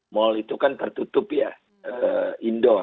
mal itu kan tertutup ya indoor